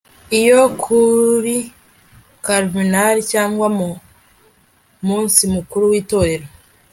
iyo kuri carnival cyangwa mu munsi mukuru w'itorero